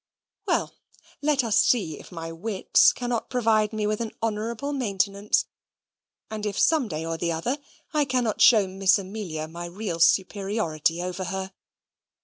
Well, let us see if my wits cannot provide me with an honourable maintenance, and if some day or the other I cannot show Miss Amelia my real superiority over her.